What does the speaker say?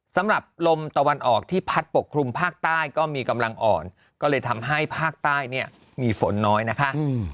สำหรับลมตะวันออกที่พัดปกคลุมภาคใต้ก็มีกำลังอ่อนก็เลยทำให้ภาคใต้เนี่ยมีฝนน้อยนะคะ